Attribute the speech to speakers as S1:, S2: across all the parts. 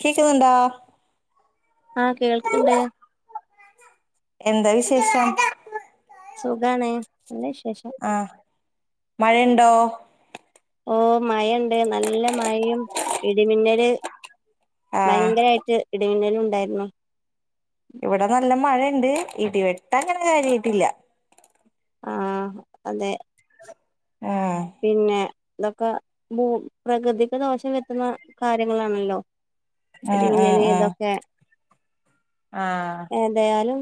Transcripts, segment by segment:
S1: കേക്കുന്നുണ്ടാ
S2: ആ കേൾക്കണ്ട്
S1: എന്താ വിശേഷം
S2: സുഖാണേ
S1: ആ മഴയുണ്ടോ [unintelligible]
S2: ഓ മഴേണ്ട് നല്ല മഴയും ഇടിമിന്നല്
S1: ആഹ്
S2: ഭയങ്കരായിട്ട് ഇടമിന്നലു ണ്ടായിരുന്നു
S1: ഇവിടെ നല്ല മഴ ണ്ട് ഇടിവെട്ട് അങ്ങനെ കാര്യായിട്ടില്ല
S2: ആ അതെ
S1: ഉം
S2: പിന്നെ ഇതൊക്കെ ഭൂപ്രകൃതിക്ക് ദോഷം വരുത്തുന്ന കാര്യങ്ങളാണല്ലോ
S1: ഉം ഉം
S2: ഇടിമിന്നല്
S1: ഉം
S2: ഇതൊക്കെ
S1: ആഹ്
S2: ഏതായാലും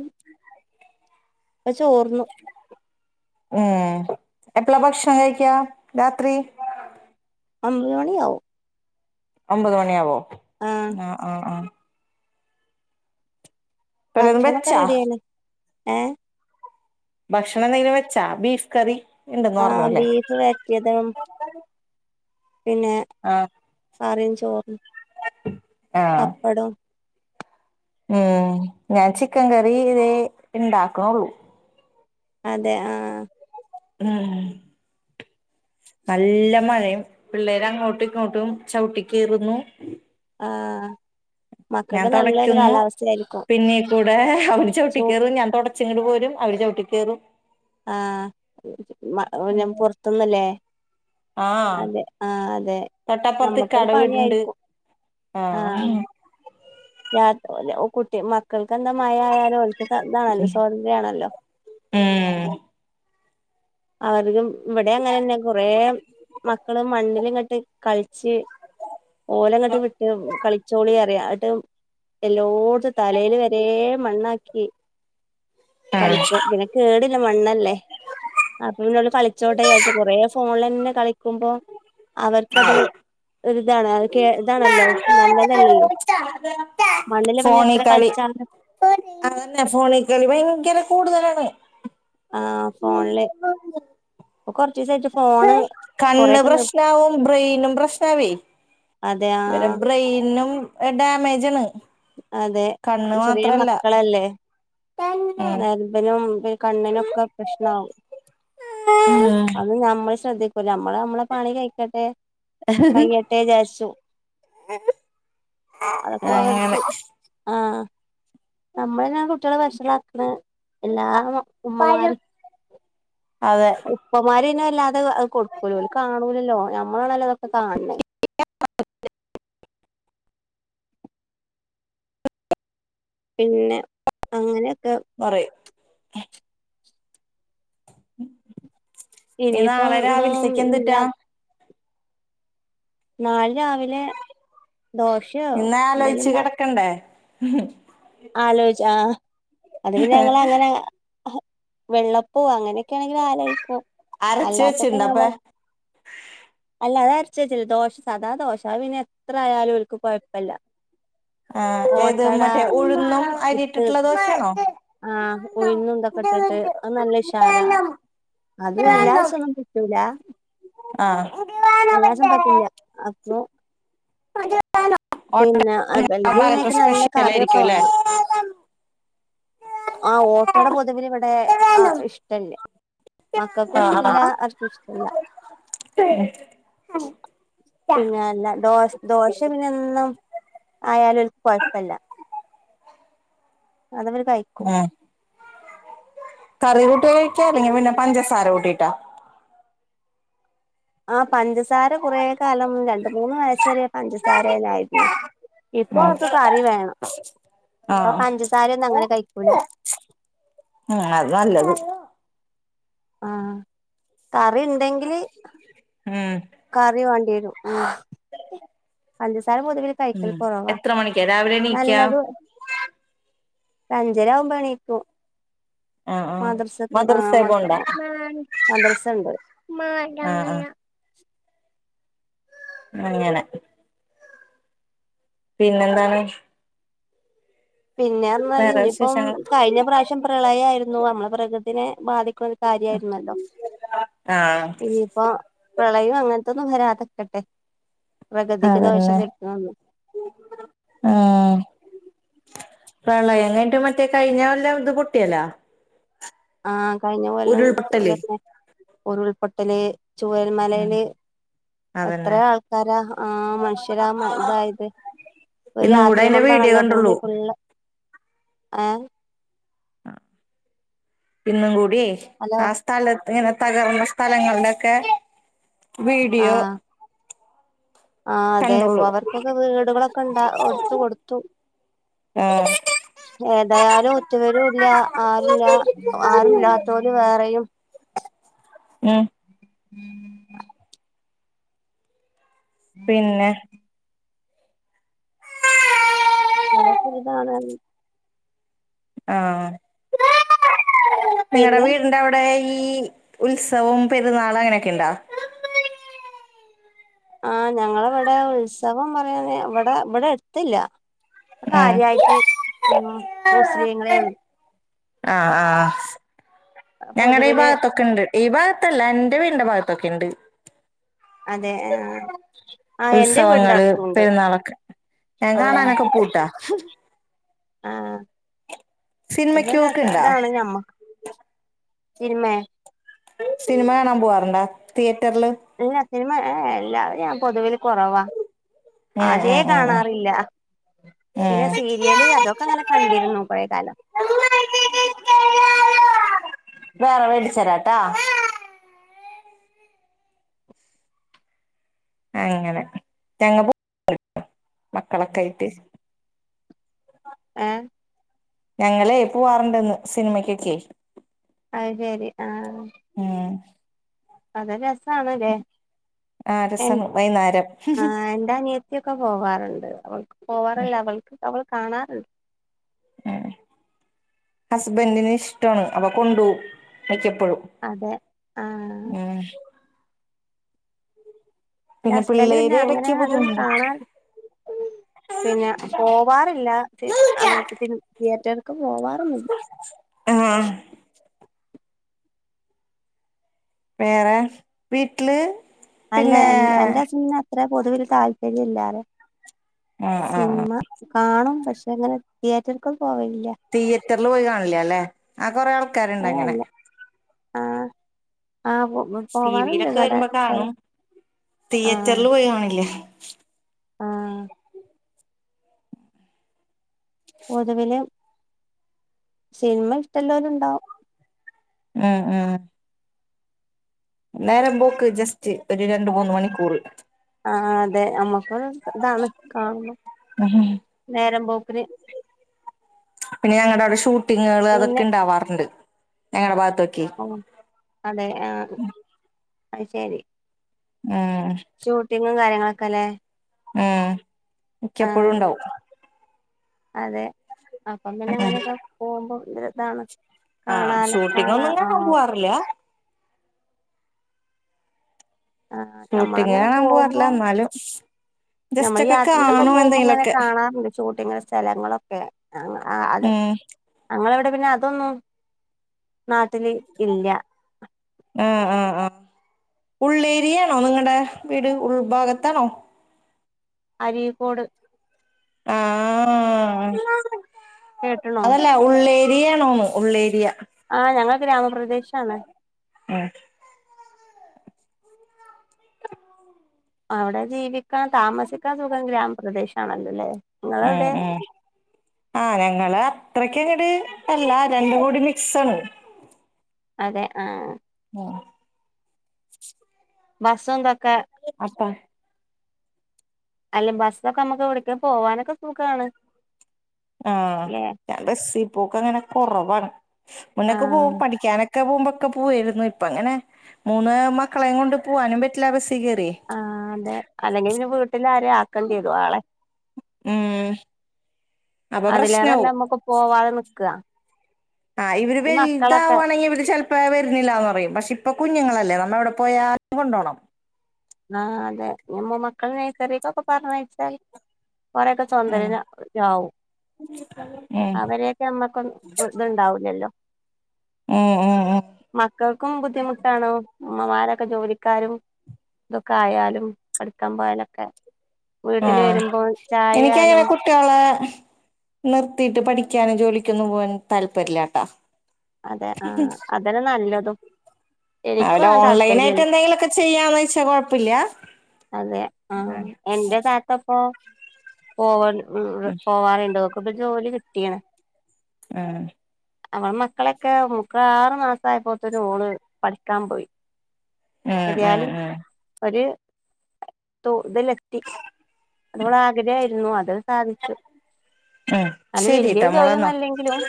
S2: ഇപ്പ ചോർന്നു
S1: ഉം എപ്പളാ ഭക്ഷണം കഴിക്കാ രാത്രി
S2: ഒമ്പത് മണി ആവും
S1: ഒമ്പത് മണിയാവോ ആ ആ ആ വല്ലതും വെച്ചാ
S2: ഏ
S1: ഭക്ഷണെന്തേലും വെച്ചാ ബീഫ് കറി ഉണ്ടെന്ന്
S2: ആ
S1: പറഞ്ഞൂല്ലേ
S2: ബീഫ് വരട്ടിയത് പിന്നെ
S1: ആഹ്
S2: കറിം [unintelligible]
S1: ആഹ്
S2: പപ്പടോം
S1: ഉം ഞാൻ ചിക്കൻ കറി ഇതേ ഇണ്ടാക്കണുള്ളൂ
S2: അതെ ആ
S1: ഉം നല്ല മഴയും പിള്ളേര് അങ്ങോട്ടും ഇങ്ങോട്ടും ചവിട്ടി കീറുന്നു
S2: ആ
S1: ഞാൻ തുടക്കുന്നു പിന്നെ കൂടെ അവര്
S2: സു
S1: ചവിട്ടിക്കയറും ഞാൻ തുടച്ചെങ്കിൽ പോരും അവര് ചവിട്ടിക്ക കേറും
S2: ആ മ ഞാൻ പുറത്തന്നല്ലേ അതെ ആ
S1: തൊട്ടാപ്പുറത്ത് കട വീ ടുണ്ട് ആ
S2: ആഹ് രാ കുട്ടി മ ക്കൾക്ക് എന്താ മഴ ആയാലും അവോർക്ക് എന്താണല്ലോ സ്വാതന്ത്ര്യയാണല്ലോ
S1: ഉം
S2: അവർ ഇവിടെ അങ്ങനെന്നെ കൊറ മക്കള് മണ്ണിൽ ഇങ്ങട്ട് ക ച് ഓലങ്ങോട്ട് വിട്ട് കളിച്ചോളി അറിയ യിട്ട് എല്ലോടത്തും തലൽ വരെ മണ്ണാക്കി
S1: ആഹ്
S2: കളിപ്പോ പിന്നെ കേടില്ല മണ്ണല്ലേ അപ്പ പിന്നോട് കളിച്ചോട്ടേ വിചാരിച്ചു കൊറെ ഫോണ തന്നെ കളിക്കുമ്പോ അവർക്കത് ഒരുരിതാണ് അ ഇതാണല്ലോ നല്ലതല്ലല്ലോ മണ്ണില് പിന്നെ
S1: ഫോണിൽ
S2: എത്ര
S1: കളി
S2: കളിച്ചാലും
S1: അന്നെ ഫോണിൽ കളി ഭയങ്കര കൂടുത
S2: ആ ഫോണില് പ്പ കൊറചിസട് ഫോണ്
S1: കണ്ണ്
S2: കൊറെയൊക്കെ നിർ
S1: പ്രശ്നവും ബ്രെയിനും പ്രശ്നവി
S2: അതെ ആ
S1: ഇരെ ബ്രെയിനും ഡാമേജണ്
S2: അതെ ചെറിയ മക്കളല്ലേ
S1: ഉം
S2: നർഭനും കണ്ണി നോ ക്കെ പ്രശ്നവും
S1: ഉം
S2: അത് നമ്മസ് നമ്മള് നമ്മളെ പണി കഴിക്കട്ടെ കയ്യട്ടെ ജാരിച്ചു അതൊപ്പോ അവർ
S1: അങ്ങനെ
S2: നമ്മള കുട്ടികള് വഷലാക്കണ് എല്ലാ ഉമ്മമാർ
S1: അതെ
S2: ഉപ്പമാരെണ് അല്ലാതെ അത് കൊടുക്കൂല കാണൂലല്ലോ ഞമ് നമ്മളണല്ലതൊക്കെ കാണണേ പിന്നെ അങ്ങനെ
S1: പറയ് ഉം ഇനി
S2: ഇനിയിപ്പം
S1: നാളെ
S2: ഇതൊന്നും
S1: രാവിലത്തേക്ക്
S2: ഇല്ല
S1: എന്തൂട്ടാ
S2: നാളെ രാവിലെ ദോശയോ എന്തേലും ഉണ്ടാ
S1: ഉം
S2: ആലോചിച്ച് ആ അത് പിന്നെ ഞങ്ങള് അങ്ങനെ ആ വെള്ളപ്പോ അങ്ങനെയെ ക്കെ ആണെങ്കിൽ ആലോചിക്കും
S1: അരച്ച്
S2: അല്ലാത്തപ്പോ
S1: വെച്ചിണ്ട്
S2: ഞാ
S1: അപ്പ
S2: അല്ലാതെ [unintelligible] ദോശ സാദാ ദോശ അത് പിന്നെ എത്ര ആയാലും ഓർക്ക്‌ കൊഴപ്പില്ല
S1: ആ ഏത് മറ്റേ ഉഴു ന്നും
S2: പുട്ട്
S1: അരിട്ടിട്ടുള്ള ദോശയാണോ
S2: ആ ഉഴുന്നും ഇതൊക്കെ ഇട്ടിട്ട് അത് നല്ല ഉഷാറാ അതും എല്ലാസന്നും കിട്ടൂല
S1: ആ
S2: എല്ലാ ദിവസവും പറ്റില്ല അപ്പൊ പിന്നെ
S1: ഭാഗത്ത്
S2: വെളിതിനൊക്കെ നല്ല
S1: സ്പെഷ്യൽ
S2: കറിയൊക്കെ
S1: ആയിരിക്കും
S2: വേണം
S1: അല്ലേ
S2: ആ ഓട്ടയുടെ പൊതുവൽ ഇവിടെ ആ
S1: ഉം
S2: ഇഷ്ടമല്ലേ മക്കൾക്കും ഇഷ്ടമല്ല ആർക്കും ഇഷ്ടല്ല പിന്നെ അല്ല ഡോ ദോശ [unintelligible] ആയാലും കുഴപ്പമില്ല അതവര് കഴിക്കും
S1: കറി കൂട്ടിയാ കഴിക്ക അല്ലെങ്കിൽ പിന്നെ പഞ്ചസാര കൂട്ടിട്ടാ
S2: ആ പഞ്ചസാര കുറേ കാലം രണ്ട്‌ മൂന്ന് വയസ്സ് വരെ പഞ്ചസാര തന്നെ ആയിരുന്നു ഇപ്പൊ
S1: ഉം
S2: അവർക്ക് കറി വേണം ഇപ്പൊ
S1: ആഹ്
S2: പഞ്ചസാര ഒന്നും അങ്ങനെ കഴിക്കൂല
S1: ഉം അത് നല്ലത്
S2: ആ കറിയുണ്ടെങ്കില്
S1: ഉം
S2: കറി വേണ്ടി വരും ഉം പഞ്ച
S1: ഉം എത്ര മണിക്കാ രാവിലെ എണീക്ക
S2: നല്ലത് അഞ്ചര ആകുമ്പോ എണീക്കും
S1: ആഹ് ആഹ്
S2: മദ്രസയൊക്കെ ആ
S1: മദ്രസേ
S2: മ
S1: പോണ്ടാ
S2: മദ്രസുണ്ട്
S1: ആഹ് ആഹ് അങ്ങനെ പിന്നെന്താണ്
S2: പിന്നേര്ഞ്ഞാല്
S1: വേറെ
S2: ഇനിയിപ്പം
S1: വിശേഷങ്ങൾ
S2: കഴിഞ്ഞ പ്രാവശ്യം പ്രളയായിരുന്നു നമ്മള് പ്രകൃതിനെ ബാധി ക്കുന്ന കാര്യായിരുന്നല്ലോ
S1: ആഹ്
S2: ഇനിയിപ്പോ പ്രളയം അങ്ങൻത്തെ നൊന്നും വരാതിരിക്കട്ടെ
S1: അതന്നെ ആ പ്രളയം കൈഞ്ഞിട്ട് മറ്റേ കയിഞ്ഞ കൊല്ലം ഇത് പൊട്ടിയല്ലാ
S2: ആഹ് കഴിഞ്ഞ കൊല്ലം താക്ക്ണ് ഉരുൾപൊട്ടല് ചുവര്
S1: ഉം
S2: മലേയില് എത്ര
S1: അതന്നെ
S2: ആൾക്കാരാ ആഹ് മനുഷ്യരാ മ ഇതായത് ഒരു
S1: ഇന്നും കൂടെ
S2: രാത്രി
S1: അയിന്റെ വീഡിയോ
S2: കൊണ്ടാണല്ലോ ഭൂമി
S1: കണ്ടുള്ളൂ
S2: ഫുള്ള് എഹ്
S1: പിന്നും കൂടി പ്പേ
S2: ഹലോ
S1: ആഹ് സ്ഥലത് ഇങ്ങനെ തകർന്ന സ്ഥലങ്ങൾഡെ ഒക്കെ വീഡിയോ
S2: ആഹ് ആഹ് അതെ ഇപ്പൊ
S1: കണ്ടുള്ളൂ
S2: അവർക്കൊക്കെ വീടുകളൊക്കെ ഉണ്ടാ [unintelligible] എടുത്ത് കൊടുത്തു
S1: ആഹ്
S2: ഏതായാലും [unintelligible] ആരുല്ല ആരുല്ലാത്തര് വേറെയും
S1: ഉം
S2: [inaudible]
S1: പിന്നെ
S2: [unintelligible] ഇതാണ് അറ്ഞ്ഞ്
S1: ആഹ് [inaudible] നിങ്ങളടെ
S2: പിന്നെ
S1: വീടിന്റെ അവിടെ ഈ ഈ ഉത്സവൊം പെരുന്നാളൊ അങ്ങനെയൊക്കെ ഇണ്ടോ
S2: ആഹ് ഞങ്ങളവിടെ ഉത്സവം പറയുന്ന അവടെ ഇവിടെ അടുത്തില്ല. കാര്യാട്ട് ഇന്നാ മുസ്ലീങ്ങളേ ഒള്ളു
S1: ആഹ് ആഹ് ഞങ്ങടെ ഈ
S2: പൊതുവില്
S1: ഭാഗത്തൊക്കെ ഇണ്ട് ഈ ഭാ അത്തല്ല എന്റെ വീടിന്റെ ഭാഗത്തൊക്കെ ഇണ്ട്.
S2: അതെ ആ ആ, എന്റെ വീടിന്റെ
S1: ഉത്സവങ്ങള്,
S2: അടുത്തുണ്ട്
S1: പെരുന്നാളൊക്കെ, ഞാൻ കാണാനൊക്കെ പൂട്ടാ.
S2: ആഹ് അത്
S1: സിനിമക്ക്
S2: രസ
S1: പോക്ക്ണ്ടാ
S2: താണ് ഞമ്മക്ക് ചിനിമേ
S1: സിനിമ കാണാൻ പോവാറുണ്ട തിയ [unintelligible]
S2: ഇല്ല സിനിമ ഏ ല്ല ഞാൻ പൊതുവൽ കുറവാ.
S1: ഉം
S2: അതേ
S1: ഉം ഉം ഉം
S2: കാണാറില്ല പിന്നെ
S1: ഉം
S2: സീരിയല് അതൊക്കെ നല്ല കണ്ടിരുന്നു കുഴേ കാലം.
S1: വേറെ വേടിച്ചരാട്ടാ. അങ്ങനെ ഞങ്ങ മക്കളൊക്കെ ആയിട്ട്
S2: ഏഹ്
S1: ഞങ്ങളെ പോവാറുണ്ടന്ന് സിനിമക്കൊക്കെ
S2: അഹ് ശരി ആഹ്
S1: ഉം
S2: അത [unintelligible] ആണ്ലേ
S1: ആ
S2: എ
S1: രസാണ് വൈന്നേരം
S2: ആ എന്റെ അനിയത്തി ഒക്ക് ഒക്കെ പോകാറുണ്ട് അവൾക്ക് പോവാറെ ഇല്ല അവൾക്ക് അവൾ കാണാറു
S1: ഏ ഹസ്ബൻന്റിന് ഇഷ്ടാണ് അപ്പ കൊണ്ടോവും [unintelligible]
S2: അതെ ആഹ്
S1: [unintelligible] ഉം
S2: എന്റെ
S1: പിന്നെ
S2: ഹസ്ബൻഡ് പിന്നെ
S1: പിള്ളേര്
S2: അങ്ങനെ
S1: ഇടക്ക്
S2: അതൊന്നും
S1: ബുദ്ധിമുട്ടുണ്ടോ
S2: കാണാറില്ല പിന്നെ പോവാറില്ല അങ്ങട്ട് തി തിയേറ്റർ
S1: ആഹ് വേറെ വീട്ടില്
S2: അല്ലെ
S1: പിന്നെ
S2: എന്റെ എന്റെ ഹസ്ന് അ അത്ര പൊതുവിൽ താല്പര്യം ഇല്ലാറെ
S1: ആഹ് ആഹ് ആഹ്
S2: സിനിമ കാണും പക്ഷെ പക്ഷെ അങ്ങനെ തിയേറ്റർക്കൊന്നും
S1: തിയേറ്ററിൽ പോയി കാണില്ല അല്ലെ ആ കൊറെ ആൾ ക്കര്ണ്ടങ്ങനെ
S2: അങ്ങനല്ല ആഹ് ആഹ്
S1: ടി
S2: പോവാറുണ്ട്
S1: വിയിലൊക്കെ
S2: ഇവിടെ
S1: വരുമ്പോ കാണും
S2: സ്ഥലം ആഹ്
S1: തിയേറ്ററിൽ പോയി കാണില്ല [inaudible]
S2: ആഹ് പൊതുവില് സിനിമ ഇഷ്ടല്ലോലു ഇണ്ടാവും
S1: ഉം ഉം നേരം പോക്ക് ജസ്
S2: ആഹ് അതെ അമ്മക്കൊര് ഇതാണ് കാണുന്നു
S1: ഉം
S2: നേരം പോക് ത്തിന്
S1: പിന്നെ ഞങ്ങട ഔടെ ഷൂട്ട് കുട്ടിങ്ങുകൾ അതൊക്കെ ഉണ്ടാവാറുണ്ട് എങ്ങന പാ
S2: ആഹ് അതെ ആ അയ്ശരി
S1: ഉം
S2: ഷൂട്ടിങ്ങും കാര്യങ്ങളും ആക്കല്ലേ
S1: ഉം എനിക്ക് എപ്പോഴും ഉണ്ടാവും
S2: അതെ അപ്പം പിന്നെ അങ്ങനെയൊക്കെ പോകുമ്പോം അതൊരു ഇതാണ്
S1: ആഹ്
S2: കാണാലോ
S1: ഷൂട്ടിംഗ്
S2: കാണാ
S1: ഒന്നും കാണാൻ
S2: ആഹ്
S1: പോവാറില്ല
S2: ആ
S1: ഷൂട്ടിംഗ്
S2: നമ്മളങ്ങനെ
S1: കാണാൻ
S2: പോകുമ്പോ
S1: പോവാറില്ല എന്നാലും ജസ്റ്റ്
S2: നമ്മൾ
S1: ഒക്കെ
S2: യാത്രയിലൊക്കെ
S1: കാണും
S2: പോകുമ്പോ ഇങ്ങനെ
S1: എന്തെങ്കിലുമൊക്കെ
S2: കാണാറുണ്ട് ഷൂട്ടിംഗ് സ്ഥലങ്ങളൊക്കെ അത്
S1: ഉം
S2: ഞങ്ങൾ ഇവിടെ പിന്നെ അതൊന്നും നാട്ടില് ഇല്ല
S1: ആഹ് ആഹ് ആഹ് ഉള്ളേരിയാണോ നിങ്ങളടെ വീട് ഉൾഭാഗത്താണോ?
S2: അരീക്കോട്
S1: ആ
S2: കേട്ടണോ
S1: അതല്ല ഉള്ളേരി ഉള്ളേരി ആണോന്ന് ഉള്ള ഏരിയ
S2: ആഹ് ഞങ്ങൾ ഗ്രാമപ്രദേശ പ്രദേശാണ്
S1: ഉം
S2: അവിടെ ജീവിക്കാൻ താമസിക്കാൻ സുഖം ഗ്രാമപ്രദേശാണല്ലോല്ലേ
S1: ഉം ഉം ആഹ് ഞങ്ങള് അത്രക്കങ്ങട് അല്ല രണ്ട് കൂടി മിക്സാണ്
S2: അതെ ആഹ്
S1: ആ
S2: ബ ബസ്സും ഇതൊക്കെ അല്ല ബസ്സൊക്കെ നമ്മുക്ക് ഇവിടക്ക പോവാനൊക്കെ സുഖാണ്
S1: ആഹ്
S2: ല്ലേ
S1: ഞാൻ ബസിൽ പോക്ക് അങ്ങനെ കുറവാണ് മുന്നൊക്കെ
S2: ആഹ്
S1: പോകും പഠിക്കാനൊ ക്കെ പോവുമ്പോകേ പോവാരുന്നു ഇപ്പ അങ്ങനെ മൂന്ന് മക്കളെ കൊണ്ട് പോവാനും പറ്റില്ല ബസിൽ
S2: ആഹ് അതെ അല്ലെങ്കിൽ പിന്നെ വീട്ടിലാരേം ആക്കണ്ടി വരും ആളെ
S1: ഉം അപ്പൊ
S2: അതിലേറെല്ലാം
S1: പ്രശ്നാവും
S2: നമ്മുക്ക് പോവാതെ നിക
S1: ആഹ് ഇവര് വലുതാവാണെങ്കിൽ ഇവര് ചെല വാ വരുന്നില്ലാന്നു പറയും പക്ഷെ ഇപ്പൊ കുഞ്ഞുങ്ങളല്ലേ നമ്മ എവിടെ പോയാലും കൊണ്ടോണം
S2: ആഹ് അതെ നമ്മ മക്കളെ നഴ്സറിക്കൊക്കെ പറഞ്ഞയച്ചാൽ കൊറെയൊക്കെ
S1: ഉം
S2: സ്വതന്തരര് ആ ആവും
S1: ഉം
S2: അവരെക്കെ നമ്മക്കൊ ഇത്ണ്ടാവില്ലല്ലോ
S1: ഉം ഉം ഉം
S2: മക്കൾക്കും ബുദ്ധിമുട്ടാണോ അമ്മമാരൊക്കെ ജോലിക്കാരും ഇതൊക്കെ ആയാലും പഠിക്കാൻ പോയാലൊക്കെ വീട്ടില്
S1: ആഹ്
S2: വരുമ്പോ ചായ
S1: എനിക്കങ്ങനെ
S2: ആയാലും
S1: കുട്ട്യോളെ നിർത്തീട്ട് പഠി ഠിക്കാനും ജോലിക്കൊന്നും പോവാനും താല്പര്യല്ലാട്ടാ
S2: അതെ ആഹ് അതാണ് നല്ലതും എനിക്കും
S1: വെല്ല
S2: അങ്ങനെ
S1: ഓൺലൈൻ ആയിട്ട്
S2: താല്പര്യല്ല
S1: എന്തെലുമൊക്കെ ചെയ്യാന്ന് വെച്ചാ കൊഴപ്പില്ല
S2: അതെ ഓൺ [unintelligible] പോവാറുണ്ടോ അപ്പ്ക്ക് ജോലി കിട്ട്യാണ്
S1: ആഹ്
S2: അവൻ മ മക്കളെയൊക്കെ മുക്കാറ് മാസായപ്പോത്തൊട്ട് ഓള് പഠിക്കാൻ പോയി
S1: ഉം ഉം
S2: എത്യാലും
S1: ഉം
S2: ഒര് തോ ഇതിലെത്തി അതോളെ ആഗ്രഹായിരുന്നു അത് സാധിച്ചു
S1: ഉം
S2: അല് വല്യാ
S1: ശരിട്ടാ
S2: ജോല്യൊന്നും
S1: മോളെന്നാ
S2: അല്ലെങ്കിലും